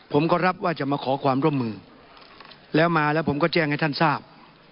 ผมก็รับว่าจะมาขอความร่วมมือแล้วมาแล้วผมก็แจ้งให้ท่านทราบ